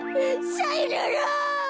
さよなら！